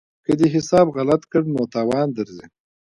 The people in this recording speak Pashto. که دې حساب غلط کړ نو تاوان درځي.